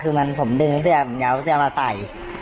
คือมันผมดึงเสื้อย้ำเลยเสื้อมาไส่